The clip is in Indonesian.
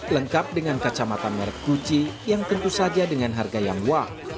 lengkap dengan kacamata merek kuci yang tentu saja dengan harga yang mual